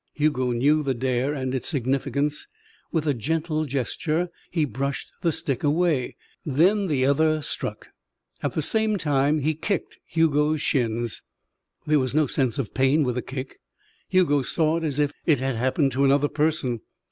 Hugo knew the dare and its significance. With a gentle gesture he brushed the stick away. Then the other struck. At the same time he kicked Hugo's shins. There was no sense of pain with the kick. Hugo saw it as if it had happened to another person.